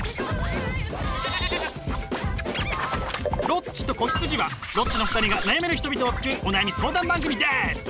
「ロッチと子羊」はロッチの２人が悩める人々を救うお悩み相談番組です！